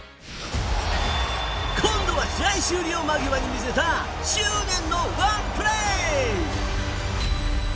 今度は試合終了間際に見せた執念のワンプレー！